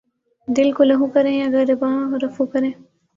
دل کو لہو کریں یا گریباں رفو کریں